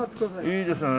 いいですね。